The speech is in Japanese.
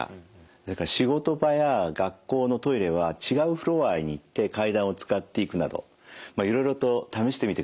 それから仕事場や学校のトイレは違うフロアに行って階段を使って行くなどまあいろいろと試してみてください。